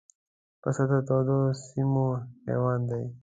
پسه د تودو سیمو حیوان دی.